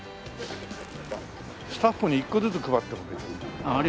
スタッフに１個ずつ配っても別に。